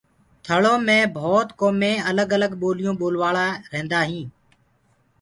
ٿݪو مي ڀوتَ ڪومين الگ الگ ٻوليون ٻولوآݪآ ريهندآئين